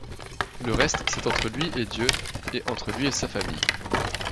Le reste, c'est entre lui et Dieu, et entre lui et sa famille.